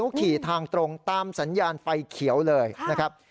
เขาขี่ทางตรงตามสัญญาณไฟเขียวเลยนะครับ